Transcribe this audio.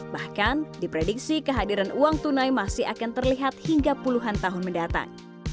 bahkan diprediksi kehadiran uang tunai masih akan terlihat hingga puluhan tahun mendatang